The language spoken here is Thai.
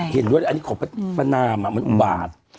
เห็นด้วยอันนี้ขอประนามมันอุบาต